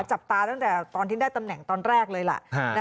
จับตาตั้งแต่ตอนที่ได้ตำแหน่งตอนแรกเลยล่ะ